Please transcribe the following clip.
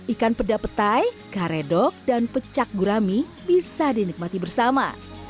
ikan peda petai karedok dan pecak gurami bisa dinikmati bersama